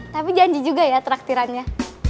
tapi janji juga ya traktirannya